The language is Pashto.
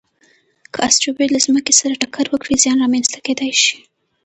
که اسټروېډ له ځمکې سره ټکر وکړي، زیان رامنځته کېدای شي.